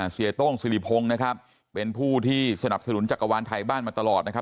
โต้งสิริพงศ์นะครับเป็นผู้ที่สนับสนุนจักรวาลไทยบ้านมาตลอดนะครับ